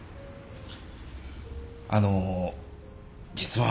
あの実は。